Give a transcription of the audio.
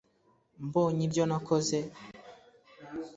mbonye ibyo nakoze